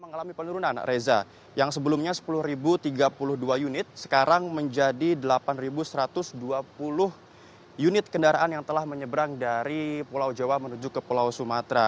mengalami penurunan reza yang sebelumnya sepuluh tiga puluh dua unit sekarang menjadi delapan satu ratus dua puluh unit kendaraan yang telah menyeberang dari pulau jawa menuju ke pulau sumatera